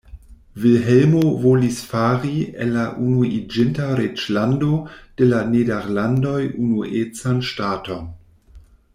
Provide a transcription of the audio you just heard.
Vilhelmo volis fari el la Unuiĝinta Reĝlando de la Nederlandoj unuecan ŝtaton.